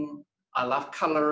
dan suatu hari